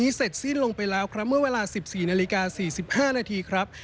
เสร็จสิ้นลงไปแล้วครับเมื่อเวลา๑๔นาฬิกา๔๕นาทีครับ